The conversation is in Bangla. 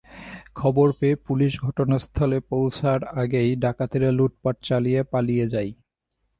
খবর পেয়ে পুলিশ ঘটনাস্থলে পৌঁছার আগেই ডাকাতেরা লুটপাট চালিয়ে পালিয়ে যায়।